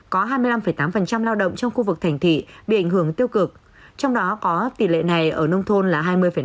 có hai mươi năm tám lao động trong khu vực thành thị bị ảnh hưởng tiêu cực trong đó có tỷ lệ này ở nông thôn là hai mươi